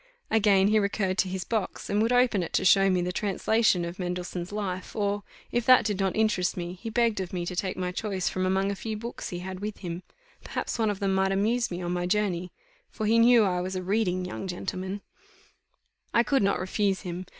Again he recurred to his box, and would open it to show me the translation of Mendelssohn's Life; or, if that did not interest me, he begged of me to take my choice from among a few books he had with him; perhaps one of them might amuse me on my journey, for he knew I was a reading young gentleman. I could not refuse him.